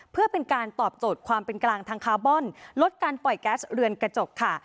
เพื่อเป็นการตอบโจทย์ความเป็นกลางทางคาร์บอนลดการปล่อยแก๊สเรือนกระจกค่ะ